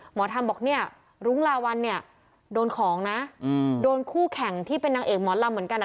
หมอธรรมบอกเนี่ยรุ้งลาวัลเนี่ยโดนของนะโดนคู่แข่งที่เป็นนางเอกหมอลำเหมือนกันอ่ะ